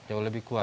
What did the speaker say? jauh lebih kuat